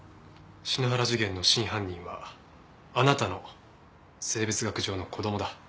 篠原事件の真犯人はあなたの生物学上の子供だ。